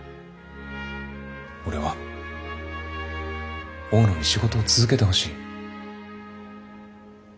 俺は大野に仕事を続けてほしい。